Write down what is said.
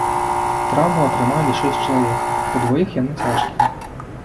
Траўмы атрымалі шэсць чалавек, у дваіх яны цяжкія.